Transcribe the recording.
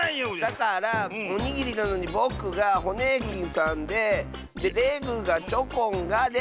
だからおにぎりなのにぼくがホネーキンさんででレグがチョコンがで。